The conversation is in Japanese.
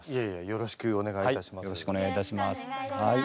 よろしくお願いします。